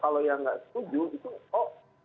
kalau yang tidak setuju